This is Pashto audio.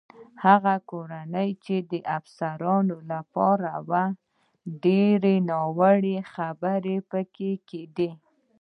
هغه کور چې د افسرانو لپاره و، ډېرې ناوړه خبرې پکې کېدې.